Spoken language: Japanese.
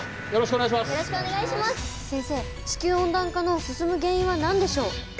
地球温暖化の進む原因は何でしょう。